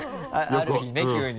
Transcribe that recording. ある日ね急に。